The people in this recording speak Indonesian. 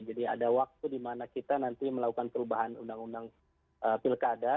jadi ada waktu dimana kita nanti melakukan perubahan undang undang pilkada